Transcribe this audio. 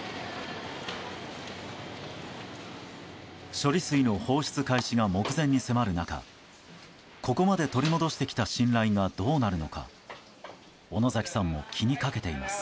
処理水の放出開始が目前に迫る中ここまで取り戻してきた信頼がどうなるのか小野崎さんも気にかけています。